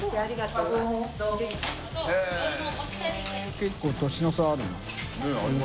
結構年の差あるな。